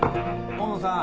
大野さん。